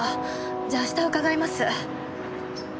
じゃあ明日伺います。